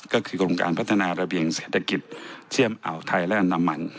ก็คือกรมการพัฒนาระเบียงเศรษฐกิจเชื่อมอ่าวไทยและอันดามัน